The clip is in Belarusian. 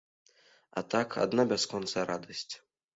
А так, адна бясконцая радасць.